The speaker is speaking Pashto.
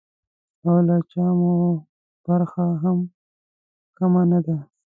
او له چا مو برخه هم کمه نه ده.